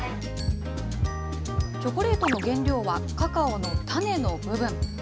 チョコレートの原料はカカオの種の部分。